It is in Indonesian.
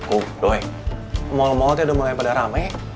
kok doi malem malem tidak mau ngikutin ramai